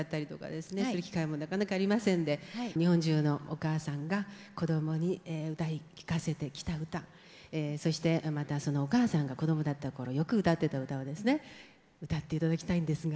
する機会もなかなかありませんで日本中のお母さんが子供に歌い聞かせてきた歌そしてまたそのお母さんが子供だった頃よく歌ってた歌をですね歌っていただきたいんですが。